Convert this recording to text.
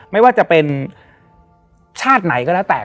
ไม่ว่าจะเป็นชาติไหนก็แล้วแต่